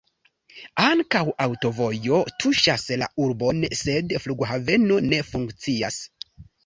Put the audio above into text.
Ankaŭ aŭtovojo tuŝas la urbon, sed flughaveno ne funkcias.